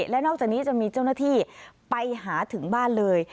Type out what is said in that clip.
และนอกจากนี้จะมีเจ้าหน้าที่ไปหาถึงบ้านเลย